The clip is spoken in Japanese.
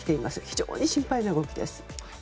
非常に心配な動きです。